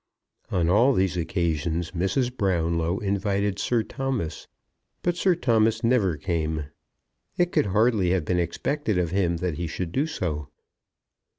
On all these occasions Mrs. Brownlow invited Sir Thomas; but Sir Thomas never came. It could hardly have been expected of him that he should do so.